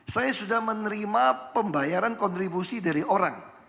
saya sudah menerima pembayaran kontribusi dari orang